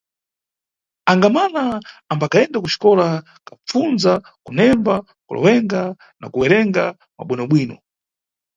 Angamala ambayenda kuxikola kapfundza kunemba, kulewenga na kuwerenga mwa bwinobwino.